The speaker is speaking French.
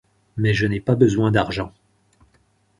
Mais je n'ai pas besoin d'argent.